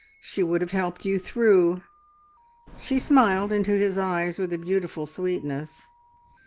She would have helped you through." She smiled into his eyes with a beautiful sweetness.